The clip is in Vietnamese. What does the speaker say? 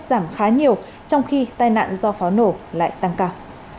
giảm khá nhiều trong khi tai nạn do pháo nổ lại tăng cao